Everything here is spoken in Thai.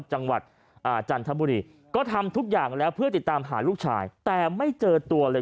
จังหวัดอ่าจันทบุรีก็ทำทุกอย่างแล้วเพื่อติดตามหาลูกชายแต่ไม่เจอตัวเลย